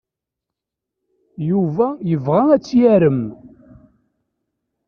Yuba yebɣa ad tt-yarem.